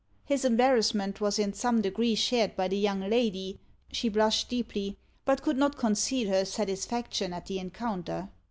His embarrassment was in some degree shared by the young lady; she blushed deeply, but could not conceal her satisfaction at the encounter.